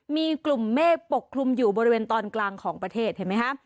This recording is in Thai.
มีกลุ่มเมฆปกคลุมอยู่บริเวณตอนกลางของประเทศเห็นไหมคะ